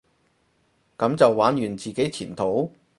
噉就玩完自己前途？